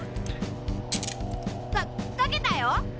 かかけたよ！